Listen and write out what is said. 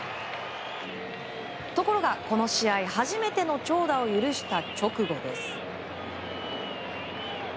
ところがこの試合初めての長打を許した直後です。